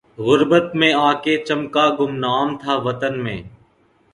غربت میں آ کے چمکا گمنام تھا وطن میں